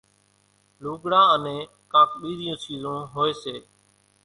لوڳڙان انين ڪانڪ ٻيزِيوُن سيزون هوئيَ سي۔